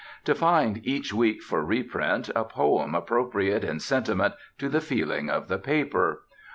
To find each week for reprint a poem appropriate in sentiment to the feeling of the paper.